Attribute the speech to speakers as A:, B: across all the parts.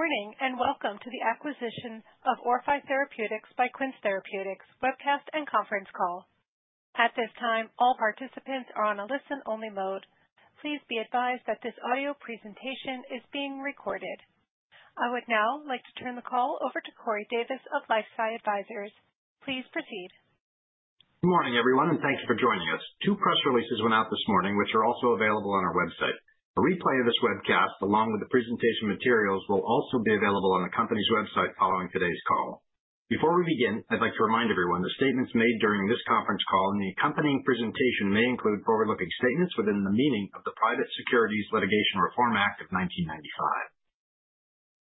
A: Good morning, welcome to the Acquisition of Orphai Therapeutics by Quince Therapeutics Webcast and Conference Call. At this time, all participants are on a listen-only mode. Please be advised that this audio presentation is being recorded. I would now like to turn the call over to Corey Davis of LifeSci Advisors. Please proceed.
B: Good morning, everyone, and thank you for joining us. Two press releases went out this morning, which are also available on our website. A replay of this webcast, along with the presentation materials, will also be available on the company's website following today's call. Before we begin, I'd like to remind everyone the statements made during this conference call and the accompanying presentation may include forward-looking statements within the meaning of the Private Securities Litigation Reform Act of 1995.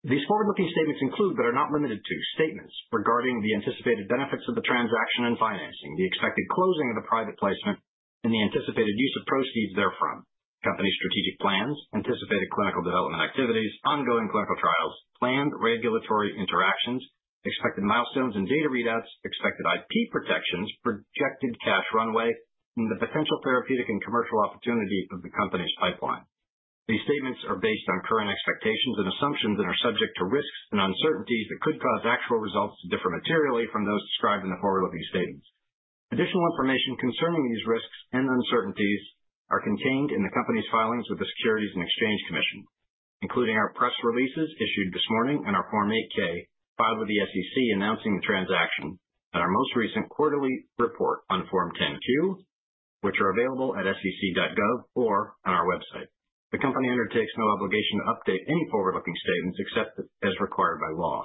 B: These forward-looking statements include, but are not limited to, statements regarding the anticipated benefits of the transaction and financing, the expected closing of the private placement and the anticipated use of proceeds therefrom. Company's strategic plans, anticipated clinical development activities, ongoing clinical trials, planned regulatory interactions, expected milestones and data readouts, expected IP protections, projected cash runway, and the potential therapeutic and commercial opportunity of the company's pipeline. These statements are based on current expectations and assumptions and are subject to risks and uncertainties that could cause actual results to differ materially from those described in the forward-looking statements. Additional information concerning these risks and uncertainties are contained in the company's filings with the Securities and Exchange Commission, including our press releases issued this morning and our Form 8-K filed with the SEC announcing the transaction and our most recent quarterly report on Form 10-Q, which are available at sec.gov or on our website. The company undertakes no obligation to update any forward-looking statements except as required by law.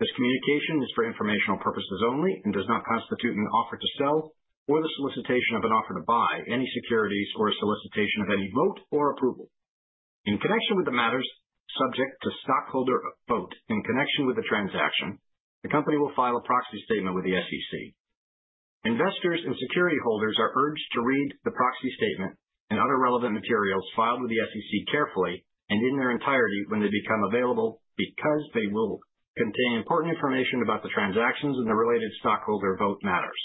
B: This communication is for informational purposes only and does not constitute an offer to sell or the solicitation of an offer to buy any securities or a solicitation of any vote or approval. In connection with the matters subject to stockholder vote in connection with the transaction, the company will file a proxy statement with the SEC. Investors and security holders are urged to read the proxy statement and other relevant materials filed with the SEC carefully and in their entirety when they become available, because they will contain important information about the transactions and the related stockholder vote matters.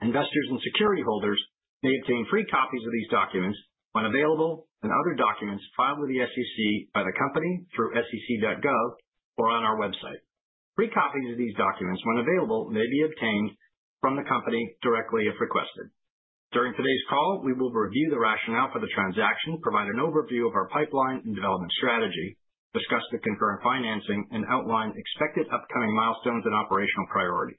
B: Investors and security holders may obtain free copies of these documents when available, and other documents filed with the SEC by the company, through sec.gov or on our website. Free copies of these documents, when available, may be obtained from the company directly if requested. During today's call, we will review the rationale for the transaction, provide an overview of our pipeline and development strategy, discuss the concurrent financing and outline expected upcoming milestones and operational priorities.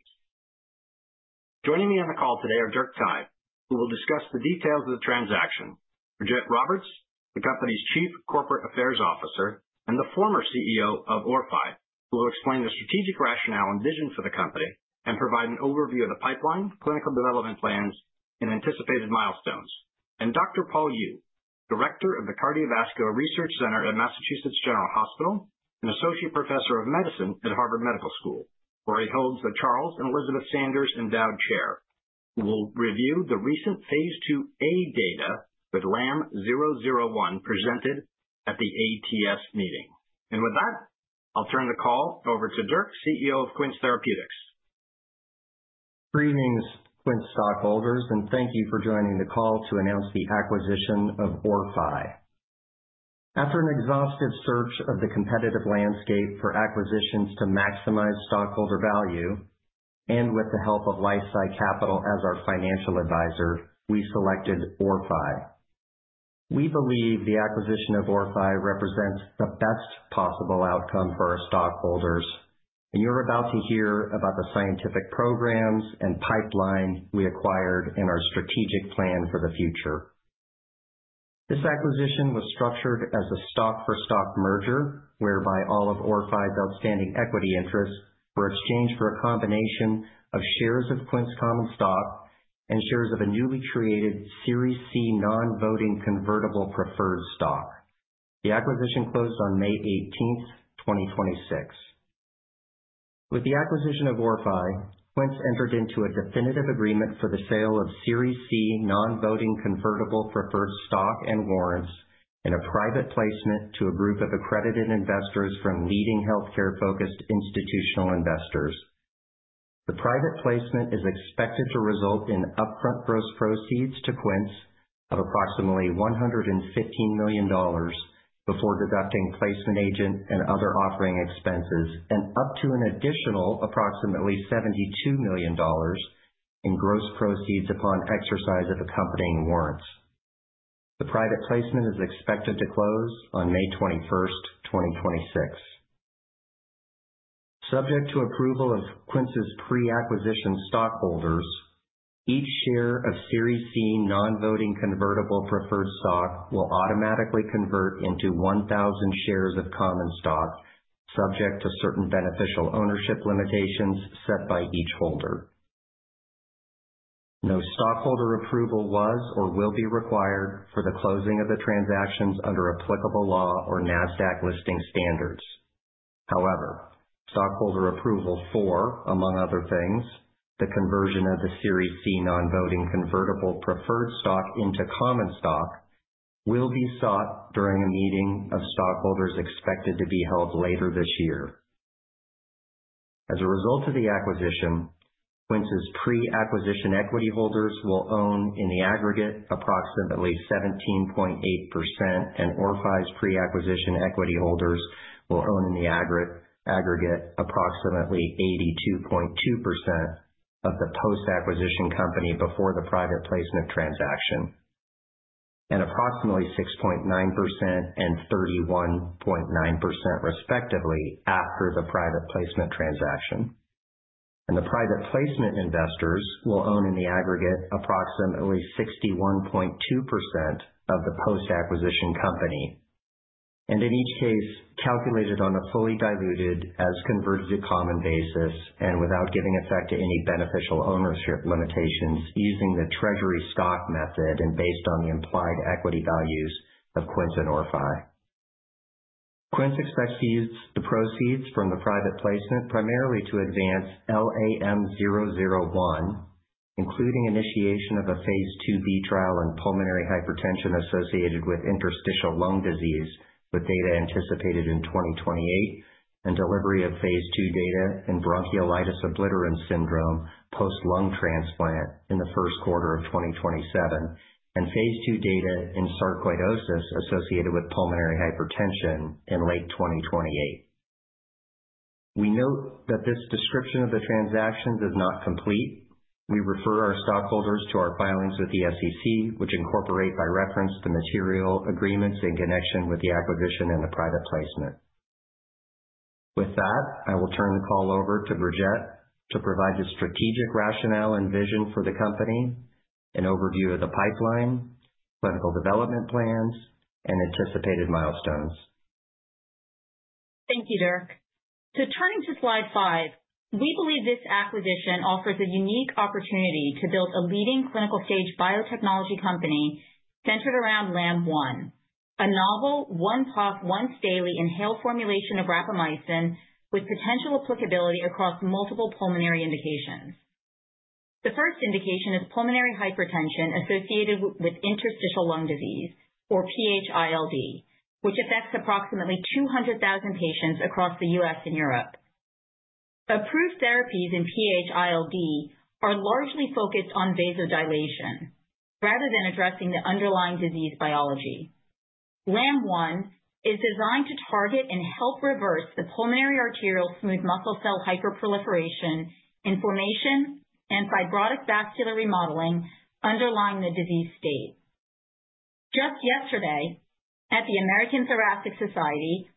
B: Joining me on the call today are Dirk Thye, who will discuss the details of the transaction. Brigette Roberts, the company's Chief Corporate Affairs Officer and the former CEO of Orphai, who will explain the strategic rationale and vision for the company and provide an overview of the pipeline, clinical development plans and anticipated milestones. Dr. Paul Yu, Director of the Cardiovascular Research Center at Massachusetts General Hospital and Associate Professor of Medicine at Harvard Medical School, where he holds the Charles and Elizabeth Sanders Endowed Chair. We will review the recent phase II-A data with LAM-001 presented at the ATS meeting. With that, I'll turn the call over to Dirk, CEO of Quince Therapeutics.
C: Greetings, Quince stockholders, and thank you for joining the call to announce the acquisition of Orphai. After an exhaustive search of the competitive landscape for acquisitions to maximize stockholder value and with the help of LifeSci Capital as our financial advisor, we selected Orphai. We believe the acquisition of Orphai represents the best possible outcome for our stockholders, and you're about to hear about the scientific programs and pipeline we acquired in our strategic plan for the future. This acquisition was structured as a stock-for-stock merger, whereby all of Orphai's outstanding equity interests were exchanged for a combination of shares of Quince common stock and shares of a newly created Series C non-voting convertible preferred stock. The acquisition closed on May 18th, 2026. With the acquisition of Orphai, Quince entered into a definitive agreement for the sale of Series C non-voting convertible preferred stock and warrants in a private placement to a group of accredited investors from leading healthcare-focused institutional investors. The private placement is expected to result in upfront gross proceeds to Quince of approximately $115 million before deducting placement agent and other offering expenses and up to an additional approximately $72 million in gross proceeds upon exercise of accompanying warrants. The private placement is expected to close on May 21st, 2026. Subject to approval of Quince's pre-acquisition stockholders, each share of Series C non-voting convertible preferred stock will automatically convert into 1,000 shares of common stock, subject to certain beneficial ownership limitations set by each holder. No stockholder approval was or will be required for the closing of the transactions under applicable law or Nasdaq listing standards. However, stockholder approval for, among other things, the conversion of the Series C non-voting convertible preferred stock into common stock will be sought during a meeting of stockholders expected to be held later this year. As a result of the acquisition, Quince's pre-acquisition equity holders will own in the aggregate approximately 17.8% and Orphai's pre-acquisition equity holders will own in the aggregate approximately 82.2% of the post-acquisition company before the private placement transaction. Approximately 6.9% and 31.9% respectively after the private placement transaction. The private placement investors will own in the aggregate approximately 61.2% of the post-acquisition company. In each case, calculated on a fully diluted as converted to common basis and without giving effect to any beneficial ownership limitations using the treasury stock method and based on the implied equity values of Quince and Orphai. Quince expects to use the proceeds from the private placement primarily to advance LAM-001, including initiation of a phase II-B trial in pulmonary hypertension associated with interstitial lung disease, with data anticipated in 2028 and delivery of phase II data in bronchiolitis obliterans syndrome post-lung transplant in the first quarter of 2027 and phase II data in sarcoidosis associated with pulmonary hypertension in late 2028. We note that this description of the transactions is not complete. We refer our stockholders to our filings with the SEC, which incorporate by reference the material agreements in connection with the acquisition and the private placement. With that, I will turn the call over to Brigette to provide the strategic rationale and vision for the company, an overview of the pipeline, clinical development plans, and anticipated milestones.
D: Thank you, Dirk. Turning to slide five. We believe this acquisition offers a unique opportunity to build a leading clinical stage biotechnology company centered around LAM-001, a novel once-off, once daily inhaled formulation of rapamycin with potential applicability across multiple pulmonary indications. The first indication is pulmonary hypertension associated with interstitial lung disease, or PH-ILD, which affects approximately 200,000 patients across the U.S. and Europe. Approved therapies in PH-ILD are largely focused on vasodilation rather than addressing the underlying disease biology. LAM-001 is designed to target and help reverse the pulmonary arterial smooth muscle cell hyperproliferation, inflammation, and fibrotic vascular remodeling underlying the disease state. Just yesterday, at the American Thoracic Society,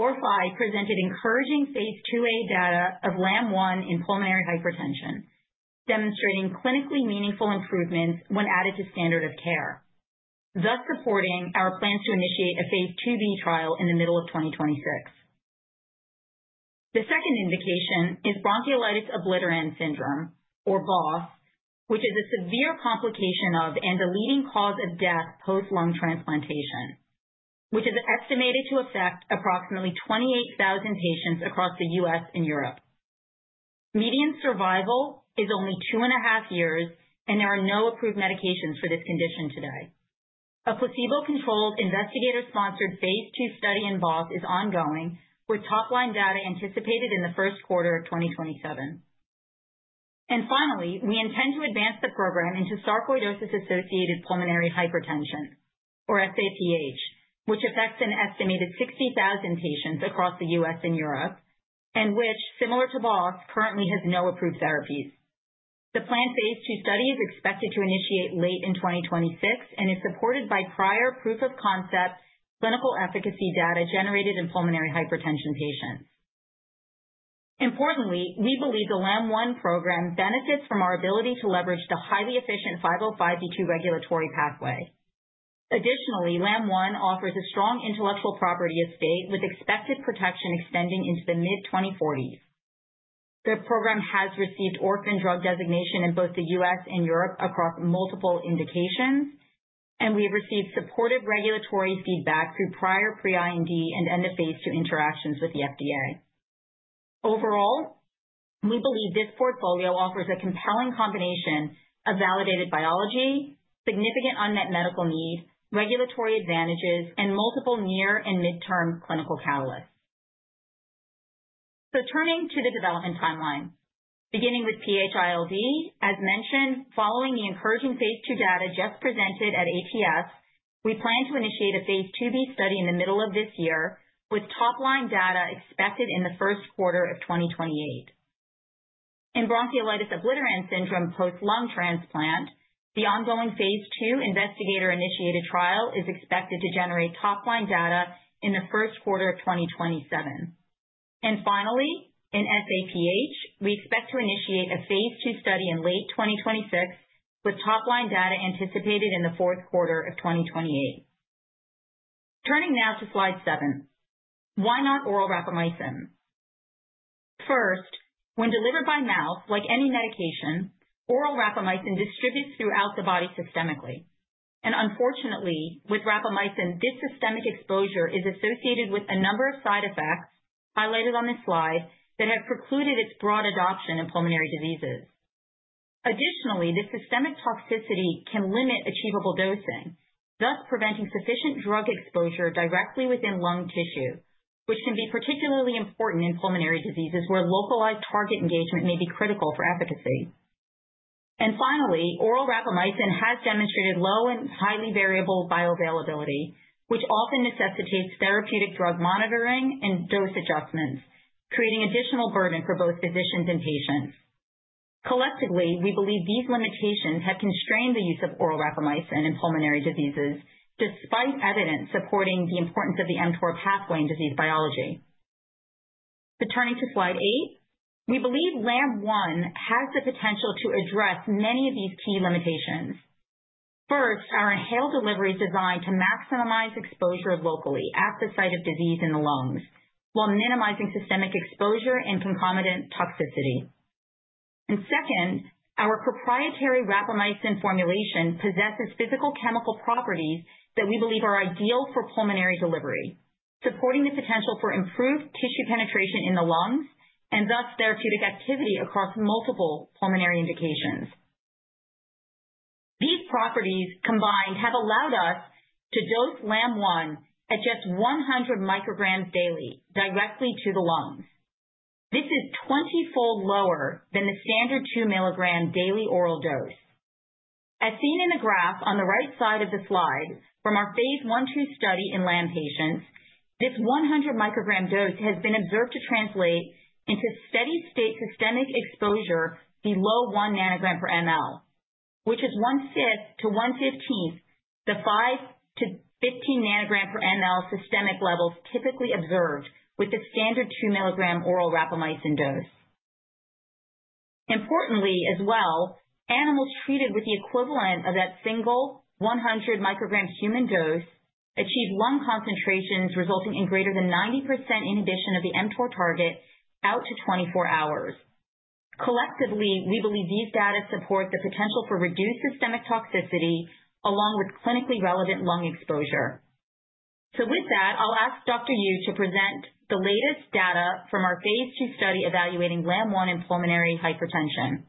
D: Orphai presented encouraging phase II-A data of LAM-001 in pulmonary hypertension, demonstrating clinically meaningful improvements when added to standard of care, thus supporting our plans to initiate a phase II-B trial in the middle of 2026. The second indication is bronchiolitis obliterans syndrome, or BOS, which is a severe complication of and the leading cause of death post-lung transplantation, which is estimated to affect approximately 28,000 patients across the U.S. and Europe. Median survival is only 2.5 years. There are no approved medications for this condition today. A placebo-controlled, investigator-sponsored phase II study in BOS is ongoing, with top-line data anticipated in the first quarter of 2027. Finally, we intend to advance the program into sarcoidosis-associated pulmonary hypertension, or SAPH, which affects an estimated 60,000 patients across the U.S. and Europe, and which, similar to BOS, currently has no approved therapies. The planned phase II study is expected to initiate late in 2026 and is supported by prior proof of concept clinical efficacy data generated in pulmonary hypertension patients. Importantly, we believe the LAM-001 program benefits from our ability to leverage the highly efficient 505(b)(2) regulatory pathway. Additionally, LAM-001 offers a strong intellectual property estate with expected protection extending into the mid-2040s. The program has received orphan drug designation in both the U.S. and Europe across multiple indications, and we have received supportive regulatory feedback through prior pre-IND and end of phase II interactions with the FDA. Overall, we believe this portfolio offers a compelling combination of validated biology, significant unmet medical need, regulatory advantages, and multiple near and midterm clinical catalysts. Turning to the development timeline. Beginning with PH-ILD, as mentioned, following the encouraging phase II data just presented at ATS, we plan to initiate a phase II-B study in the middle of this year, with top-line data expected in the first quarter of 2028. In bronchiolitis obliterans syndrome post-lung transplant, the ongoing phase II investigator-initiated trial is expected to generate top-line data in the first quarter of 2027. Finally, in SAPH, we expect to initiate a phase II study in late 2026, with top-line data anticipated in the fourth quarter of 2028. Turning now to slide seven. Why not oral rapamycin? First, when delivered by mouth, like any medication, oral rapamycin distributes throughout the body systemically. Unfortunately, with rapamycin, this systemic exposure is associated with a number of side effects highlighted on this slide that have precluded its broad adoption in pulmonary diseases. Additionally, the systemic toxicity can limit achievable dosing, thus preventing sufficient drug exposure directly within lung tissue, which can be particularly important in pulmonary diseases where localized target engagement may be critical for efficacy. Finally, oral rapamycin has demonstrated low and highly variable bioavailability, which often necessitates therapeutic drug monitoring and dose adjustments, creating additional burden for both physicians and patients. Collectively, we believe these limitations have constrained the use of oral rapamycin in pulmonary diseases despite evidence supporting the importance of the mTOR pathway in disease biology. Turning to slide eight, we believe LAM-001 has the potential to address many of these key limitations. First, our inhaled delivery is designed to maximize exposure locally at the site of disease in the lungs while minimizing systemic exposure and concomitant toxicity. Second, our proprietary rapamycin formulation possesses physical chemical properties that we believe are ideal for pulmonary delivery, supporting the potential for improved tissue penetration in the lungs and thus therapeutic activity across multiple pulmonary indications. These properties combined have allowed us to dose LAM-001 at just 100 mcg daily directly to the lungs. This is 20-fold lower than the standard 2 mg daily oral dose. As seen in the graph on the right side of the slide from our phase I/II study in LAM patients, this 100 mcg dose has been observed to translate into steady state systemic exposure below 1 ng/ml, which is 1/6-1/15 the 5-15 ng/ml systemic levels typically observed with the standard 2 mg oral rapamycin dose. Importantly as well, animals treated with the equivalent of that single 100 mcg human dose achieved lung concentrations resulting in greater than 90% inhibition of the mTOR target out to 24 hours. Collectively, we believe these data support the potential for reduced systemic toxicity along with clinically relevant lung exposure. With that, I'll ask Dr. Yu to present the latest data from our phase II study evaluating LAM-001 in pulmonary hypertension.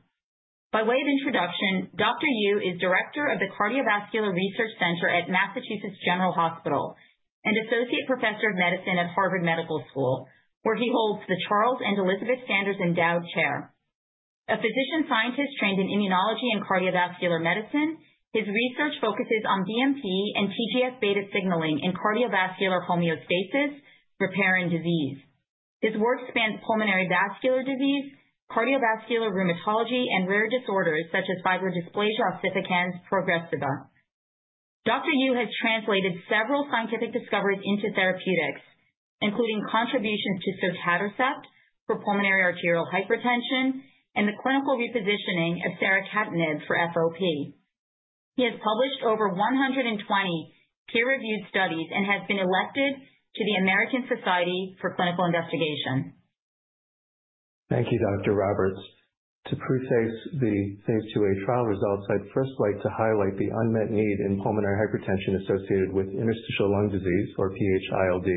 D: By way of introduction, Dr. Yu is director of the Cardiovascular Research Center at Massachusetts General Hospital and Associate Professor of Medicine at Harvard Medical School, where he holds the Charles and Elizabeth Sanders Endowed Chair. A physician scientist trained in immunology and cardiovascular medicine, his research focuses on BMP and TGF-beta signaling in cardiovascular homeostasis, repair, and disease. His work spans pulmonary vascular disease, cardiovascular rheumatology, and rare disorders such as fibrodysplasia ossificans progressiva. Dr. Yu has translated several scientific discoveries into therapeutics, including contributions to sotatercept for pulmonary arterial hypertension and the clinical repositioning of saracatinib for FOP. He has published over 120 peer-reviewed studies and has been elected to the American Society for Clinical Investigation.
E: Thank you, Dr. Roberts. To preface the phase II-A trial results, I'd first like to highlight the unmet need in pulmonary hypertension associated with interstitial lung disease or PH-ILD.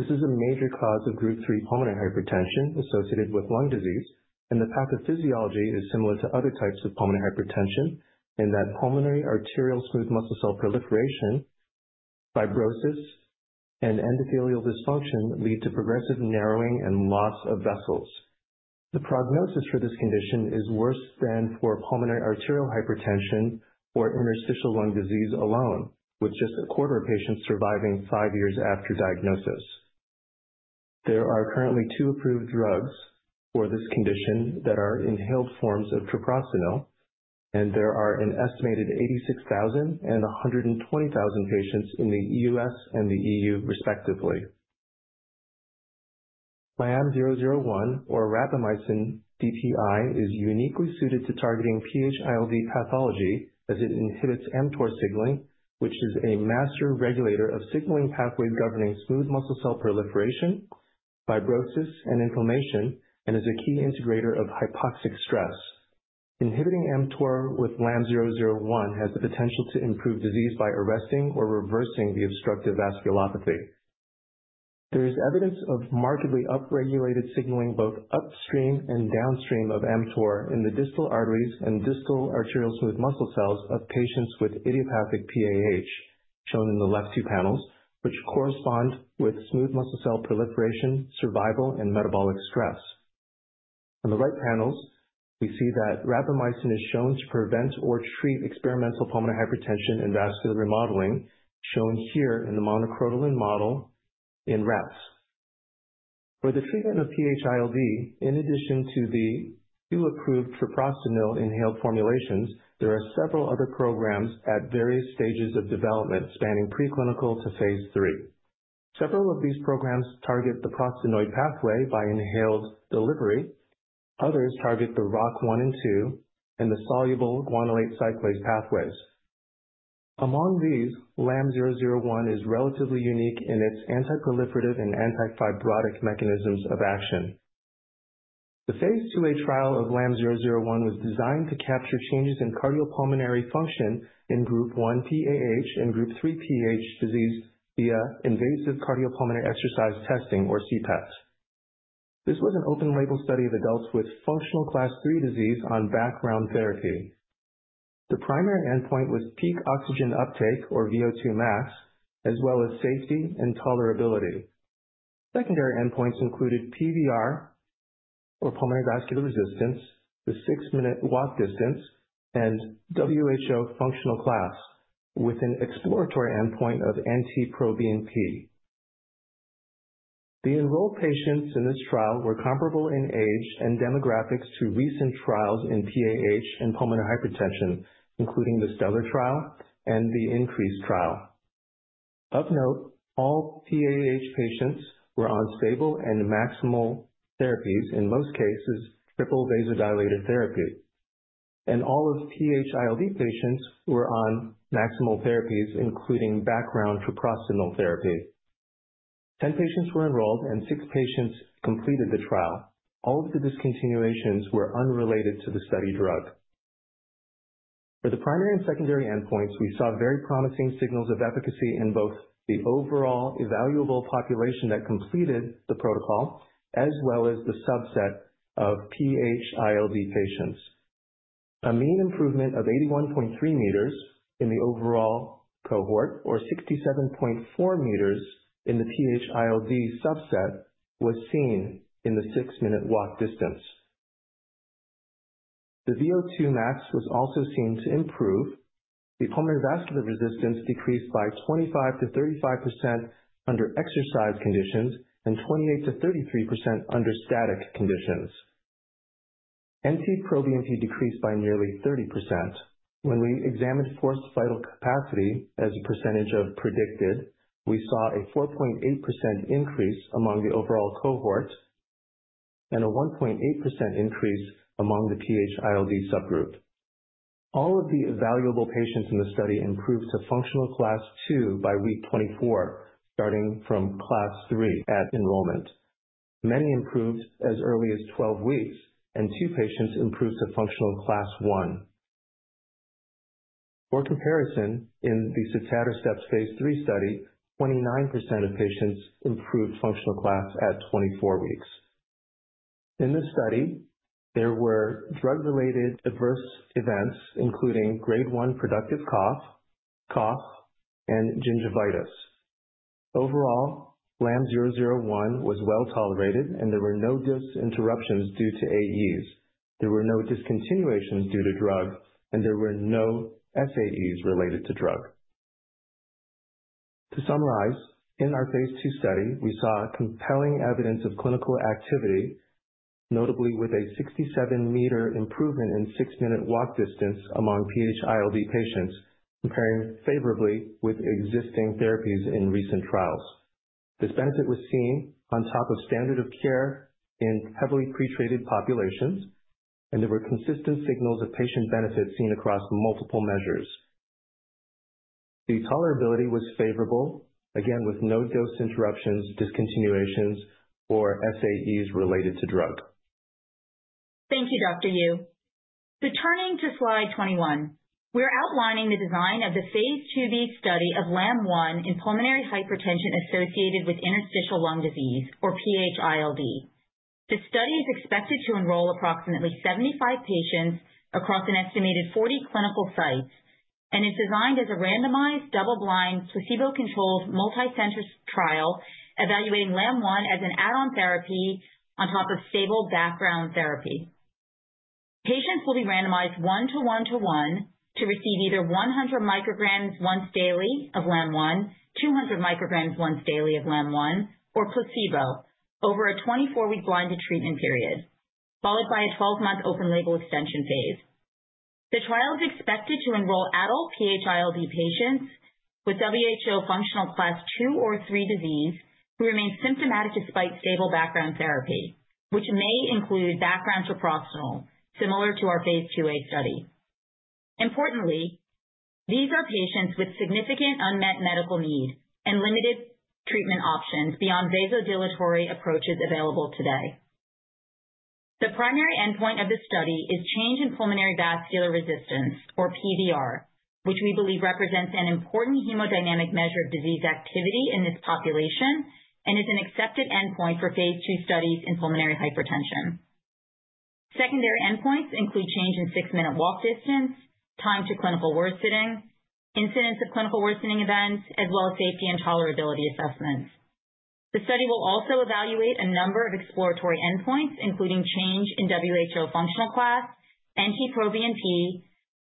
E: This is a major cause of group three pulmonary hypertension associated with lung disease, and the pathophysiology is similar to other types of pulmonary hypertension in that pulmonary arterial smooth muscle cell proliferation, fibrosis, and endothelial dysfunction lead to progressive narrowing and loss of vessels. The prognosis for this condition is worse than for pulmonary arterial hypertension or interstitial lung disease alone, with just a quarter of patients surviving five years after diagnosis. There are currently two approved drugs for this condition that are inhaled forms of treprostinil, and there are an estimated 86,000 and 120,000 patients in the U.S. and the EU respectively. LAM-001 or rapamycin DPI is uniquely suited to targeting PH-ILD pathology as it inhibits mTOR signaling, which is a master regulator of signaling pathways governing smooth muscle cell proliferation, fibrosis, and inflammation, is a key integrator of hypoxic stress. Inhibiting mTOR with LAM-001 has the potential to improve disease by arresting or reversing the obstructive vasculopathy. There is evidence of markedly upregulated signaling both upstream and downstream of mTOR in the distal arteries and distal arterial smooth muscle cells of patients with idiopathic PAH, shown in the left two panels, which correspond with smooth muscle cell proliferation, survival, and metabolic stress. On the right panels, we see that rapamycin is shown to prevent or treat experimental pulmonary hypertension and vascular remodeling, shown here in the monocrotaline model in rats. For the treatment of PH-ILD, in addition to the two approved treprostinil inhaled formulations, there are several other programs at various stages of development spanning preclinical to phase III. Several of these programs target the prostanoid pathway by inhaled delivery. Others target the ROCK1 and 2 and the soluble guanylate cyclase pathways. Among these, LAM-001 is relatively unique in its anti-proliferative and anti-fibrotic mechanisms of action. The phase II-A trial of LAM-001 was designed to capture changes in cardiopulmonary function in group one PAH and group three PH disease via invasive cardiopulmonary exercise testing or CPET. This was an open-label study of adults with functional class three disease on background therapy. The primary endpoint was peak oxygen uptake or VO2 max, as well as safety and tolerability. Secondary endpoints included PVR, or pulmonary vascular resistance, the six-minute walk distance, and WHO functional class, with an exploratory endpoint of NT-proBNP. The enrolled patients in this trial were comparable in age and demographics to recent trials in PAH and pulmonary hypertension, including the STELLAR trial and the INCREASE trial. Of note, all PAH patients were on stable and maximal therapies, in most cases triple vasodilated therapy. All of PH-ILD patients were on maximal therapies, including background treprostinil therapy. 10 patients were enrolled and six patients completed the trial. All of the discontinuations were unrelated to the study drug. For the primary and secondary endpoints, we saw very promising signals of efficacy in both the overall evaluable population that completed the protocol as well as the subset of PH-ILD patients. A mean improvement of 81.3 m in the overall cohort or 67.4 m in the PH-ILD subset was seen in the six-minute walk distance. The VO2 max was also seen to improve. The pulmonary vascular resistance decreased by 25%-35% under exercise conditions and 28%-33% under static conditions. NT-proBNP decreased by nearly 30%. When we examined forced vital capacity as a percentage of predicted, we saw a 4.8% increase among the overall cohort and a 1.8% increase among the PH-ILD subgroup. All of the evaluable patients in the study improved to functional class two by week 24, starting from class three at enrollment. Many improved as early as 12 weeks, and two patients improved to functional class one. For comparison, in the sotatercept phase III study, 29% of patients improved functional class at 24 weeks. In this study, there were drug-related adverse events, including grade one productive cough, and gingivitis. Overall, LAM-001 was well-tolerated and there were no dose interruptions due to AEs. There were no discontinuations due to drug, and there were no SAEs related to drug. To summarize, in our phase II study, we saw compelling evidence of clinical activity, notably with a 67 m improvement in six-minute walk distance among PH-ILD patients, comparing favorably with existing therapies in recent trials. This benefit was seen on top of standard of care in heavily pretreated populations, and there were consistent signals of patient benefit seen across multiple measures. The tolerability was favorable, again with no dose interruptions, discontinuations, or SAEs related to drug.
D: Thank you, Dr. Yu. Turning to slide 21, we're outlining the design of the phase II-B study of LAM-001 in pulmonary hypertension associated with interstitial lung disease or PH-ILD. The study is expected to enroll approximately 75 patients across an estimated 40 clinical sites and is designed as a randomized, double-blind, placebo-controlled, multicenter trial evaluating LAM-001 as an add-on therapy on top of stable background therapy. Patients will be randomized 1:1:1 to receive either 100 mcg once daily of LAM-001, 200 mcg once daily of LAM-001, or placebo over a 24-week blinded treatment period, followed by a 12-month open label extension phase. The trial is expected to enroll adult PH-ILD patients with WHO functional class two or three disease who remain symptomatic despite stable background therapy, which may include background treprostinil, similar to our phase II-A study. Importantly, these are patients with significant unmet medical needs and limited treatment options beyond vasodilatory approaches available today. The primary endpoint of this study is change in pulmonary vascular resistance or PVR, which we believe represents an important hemodynamic measure of disease activity in this population and is an accepted endpoint for phase II studies in pulmonary hypertension. Secondary endpoints include change in six-minute walk distance, time to clinical worsening, incidence of clinical worsening events, as well as safety and tolerability assessments. The study will also evaluate a number of exploratory endpoints, including change in WHO functional class, NT-proBNP,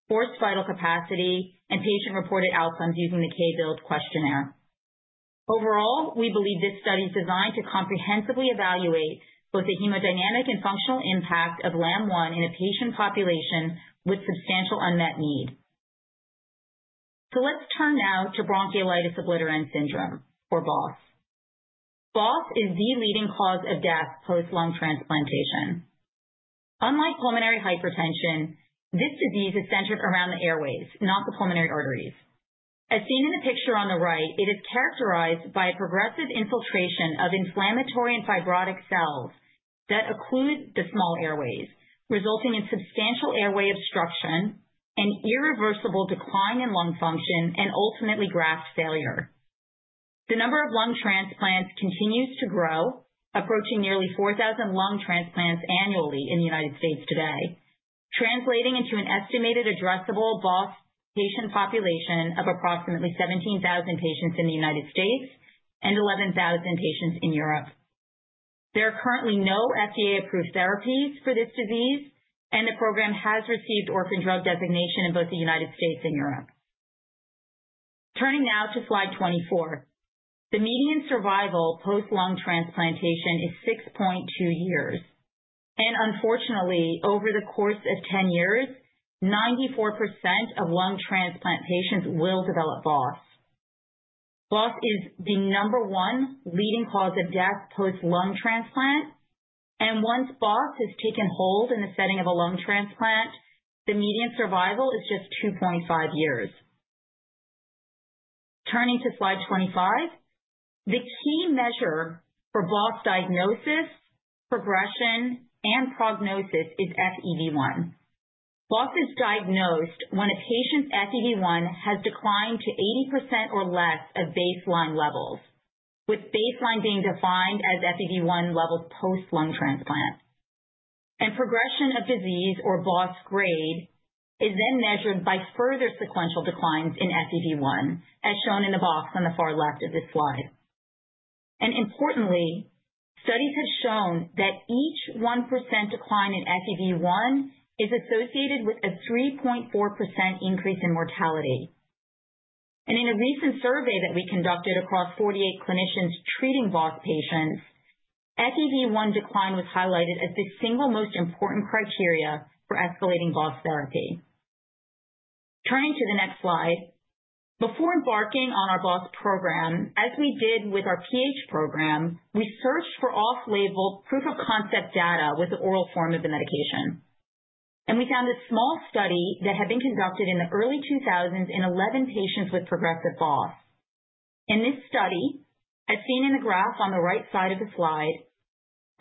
D: forced vital capacity, and patient-reported outcomes using the K-BILD questionnaire. Overall, we believe this study is designed to comprehensively evaluate both the hemodynamic and functional impact of LAM-001 in a patient population with substantial unmet need. Let's turn now to bronchiolitis obliterans syndrome or BOS. BOS is the leading cause of death post lung transplantation. Unlike pulmonary hypertension, this disease is centered around the airways, not the pulmonary arteries. As seen in the picture on the right, it is characterized by progressive infiltration of inflammatory and fibrotic cells that occlude the small airways, resulting in substantial airway obstruction and irreversible decline in lung function and ultimately graft failure. The number of lung transplants continues to grow, approaching nearly 4,000 lung transplants annually in the United States today, translating into an estimated addressable BOS patient population of approximately 17,000 patients in the United States and 11,000 patients in Europe. There are currently no FDA-approved therapies for this disease, and the program has received orphan drug designation in both the United States and Europe. Turning now to slide 24. The median survival post-lung transplantation is 6.2 years. Unfortunately, over the course of 10 years, 94% of lung transplant patients will develop BOS. BOS is the number one leading cause of death post-lung transplant. Once BOS has taken hold in the setting of a lung transplant, the median survival is just 2.5 years. Turning to slide 25. The key measure for BOS diagnosis, progression, and prognosis is FEV1. BOS is diagnosed when a patient's FEV1 has declined to 80% or less of baseline levels, with baseline being defined as FEV1 levels post-lung transplant. Progression of disease or BOS grade is then measured by further sequential declines in FEV1, as shown in the box on the far left of this slide. Importantly, studies have shown that each 1% decline in FEV1 is associated with a 3.4% increase in mortality. In a recent survey that we conducted across 48 clinicians treating BOS patients, FEV1 decline was highlighted as the single most important criteria for escalating BOS therapy. Turning to the next slide. Before embarking on our BOS program, as we did with our PH program, we searched for off-label proof of concept data with the oral form of the medication. We found a small study that had been conducted in the early 2000s in 11 patients with progressive BOS. In this study, as seen in the graph on the right side of the slide,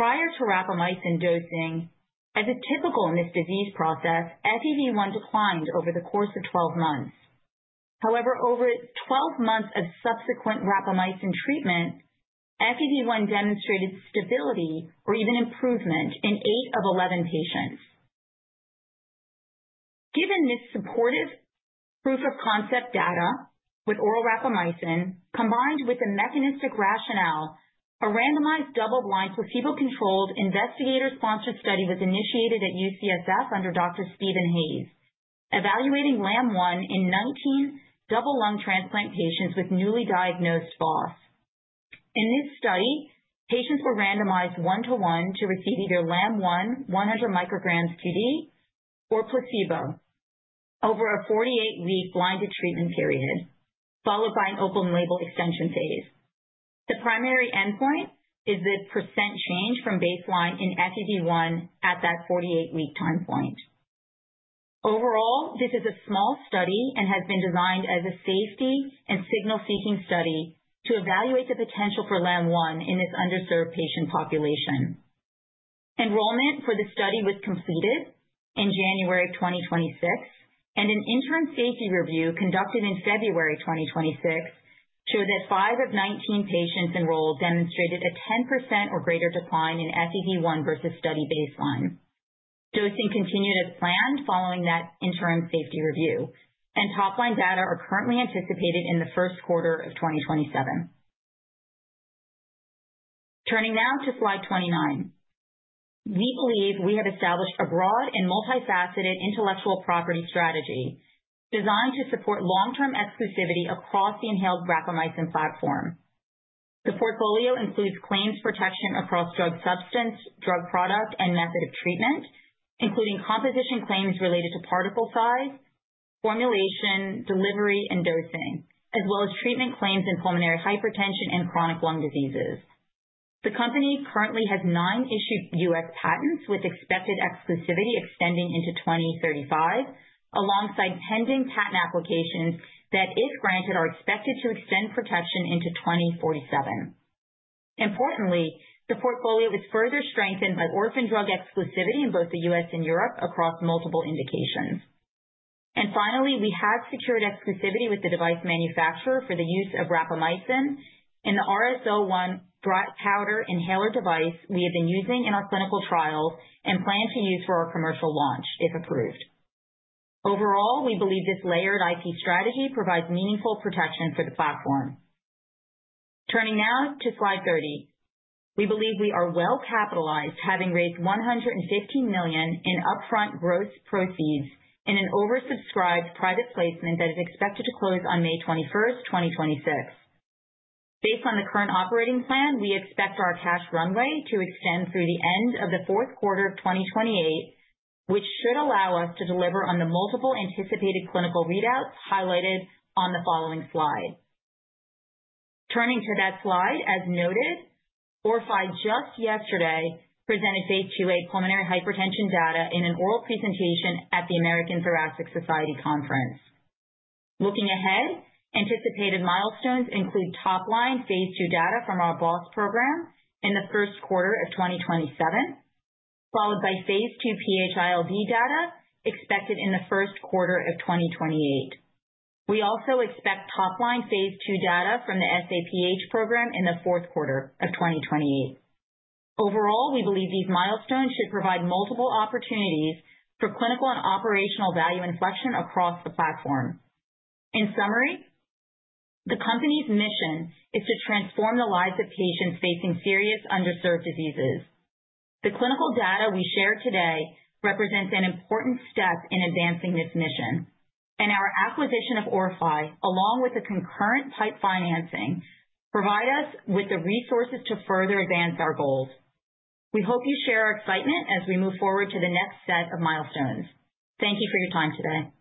D: prior to rapamycin dosing, as is typical in this disease process, FEV1 declined over the course of 12 months. Over 12 months of subsequent rapamycin treatment, FEV1 demonstrated stability or even improvement in eight of 11 patients. Given this supportive proof of concept data with oral rapamycin combined with the mechanistic rationale, a randomized double-blind, placebo-controlled investigator-sponsored study was initiated at UCSF under Dr. Steven Hays, evaluating LAM-001 in 19 double lung transplant patients with newly diagnosed BOS. In this study, patients were randomized 1:1 to receive either LAM-001 100 mcg [TD] or placebo over a 48-week blinded treatment period, followed by an open label extension phase. The primary endpoint is the percent change from baseline in FEV1 at that 48-week time point. Overall, this is a small study and has been designed as a safety and signal-seeking study to evaluate the potential for LAM-001 in this underserved patient population. Enrollment for the study was completed in January 2026, and an interim safety review conducted in February 2026 showed that five of 19 patients enrolled demonstrated a 10% or greater decline in FEV1 versus study baseline. Dosing continued as planned following that interim safety review, and top-line data are currently anticipated in the first quarter of 2027. Turning now to slide 29. We believe we have established a broad and multifaceted intellectual property strategy designed to support long-term exclusivity across the inhaled rapamycin platform. The portfolio includes claims protection across drug substance, drug product and method of treatment, including composition claims related to particle size, formulation, delivery, and dosing, as well as treatment claims in pulmonary hypertension and chronic lung diseases. The company currently has nine issued U.S. patents with expected exclusivity extending into 2035, alongside pending patent applications that, if granted, are expected to extend protection into 2047. The portfolio was further strengthened by orphan drug exclusivity in both the U.S. and Europe across multiple indications. Finally, we have secured exclusivity with the device manufacturer for the use of rapamycin in the RS01 dry powder inhaler device we have been using in our clinical trials and plan to use for our commercial launch if approved. Overall, we believe this layered IP strategy provides meaningful protection for the platform. Turning now to slide 30. We believe we are well capitalized, having raised $150 million in upfront gross proceeds in an oversubscribed private placement that is expected to close on May 21st, 2026. Based on the current operating plan, we expect our cash runway to extend through the end of the fourth quarter of 2028, which should allow us to deliver on the multiple anticipated clinical readouts highlighted on the following slide. Turning to that slide, as noted, Orphai just yesterday presented phase II-A pulmonary hypertension data in an oral presentation at the American Thoracic Society Conference. Looking ahead, anticipated milestones include top-line phase II data from our BOS program in the first quarter of 2027, followed by phase II PH-ILD data expected in the first quarter of 2028. We also expect top-line phase II data from the SAPH program in the fourth quarter of 2028. Overall, we believe these milestones should provide multiple opportunities for clinical and operational value inflection across the platform. In summary, the company's mission is to transform the lives of patients facing serious underserved diseases. The clinical data we share today represents an important step in advancing this mission. Our acquisition of Orphai, along with the concurrent PIPE financing, provide us with the resources to further advance our goals. We hope you share our excitement as we move forward to the next set of milestones. Thank you for your time today.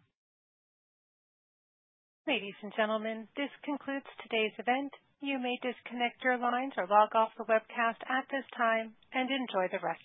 A: Ladies and gentlemen, this concludes today's event. You may disconnect your lines or log off the webcast at this time and enjoy the rest.